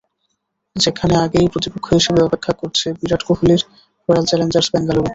যেখানে আগেই প্রতিপক্ষ হিসেবে অপেক্ষা করছে বিরাট কোহলির রয়্যাল চ্যালেঞ্জার্স বেঙ্গালুরু।